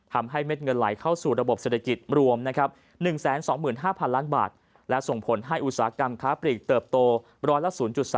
เม็ดเงินไหลเข้าสู่ระบบเศรษฐกิจรวม๑๒๕๐๐ล้านบาทและส่งผลให้อุตสาหกรรมค้าปลีกเติบโตร้อยละ๐๓